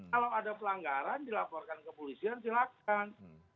kalau ada pelanggaran dilaporkan ke polisian silahkan